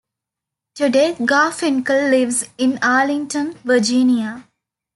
Today Garfinkel lives in Arlington, Virginia.